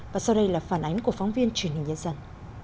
và sau đây là phản ánh của phóng viên truyền hình nhân dân